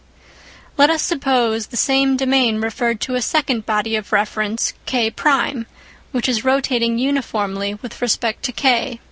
Let us supposse the same domain referred to a second body of reference K1, which is rotating uniformly with respect to K.